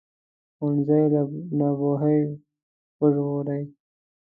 ښوونځی له ناپوهۍ وژغوري